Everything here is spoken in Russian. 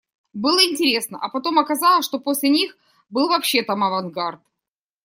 Было интересно, а потом оказалось, что после них был вообще там авангард.